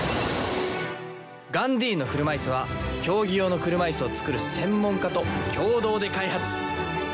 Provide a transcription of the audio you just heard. ガンディーンの車いすは競技用の車いすを作る専門家と共同で開発。